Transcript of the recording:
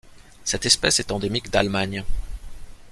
Cette espèce est endémique d'Allemagne.